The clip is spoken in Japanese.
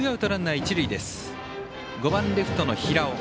５番、レフトの平尾。